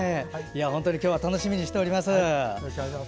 本当に今日は楽しみにしております。